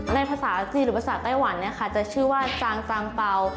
ในภาษาจีนหรือภาษาไต้หวันเนี่ยค่ะจะชื่อว่าจางจางเปล่า